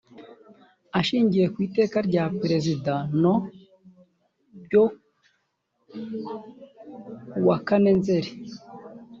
ashingiye ku iteka ry perezida no ryo kuwakane nzeri